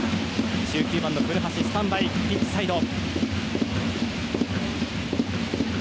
１９番の古橋、スタンバイピッチサイド。